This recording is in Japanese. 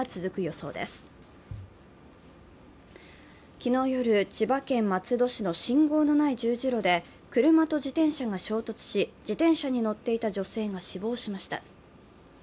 昨日夜、千葉県松戸市の信号のない十字路で、車と自転車が衝突し自転車に乗っていた女性が死亡しました。